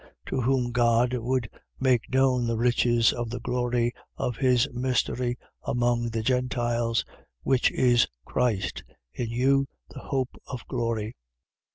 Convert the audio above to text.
To whom God would make known the riches of the glory of this mystery among the Gentiles, which is Christ, in you the hope of glory.